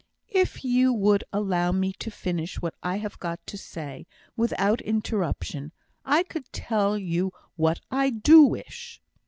"If you would allow me to finish what I have got to say, without interruption, I could then tell you what I do wish."